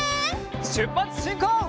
しゅっぱつしんこう！